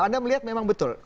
anda melihat memang betul